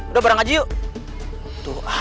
udah bareng aja yuk